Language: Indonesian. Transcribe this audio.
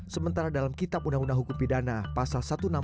sementara dalam kitab undang undang hukum pidana pasal satu ratus enam puluh